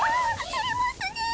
てれますねえ。